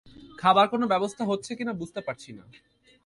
খাবার কোনো ব্যবস্থা হচ্ছে কি না বুঝতে পারছি না।